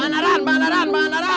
banaran banaran banaran